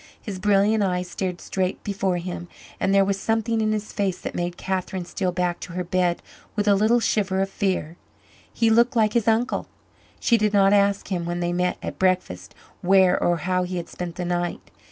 His brilliant eyes stared straight before him, and there was something in his face that made Catherine steal back to her bed with a little shiver of fear. He looked like his uncle. She did not ask him, when they met at breakfast, where or how he had spent the night.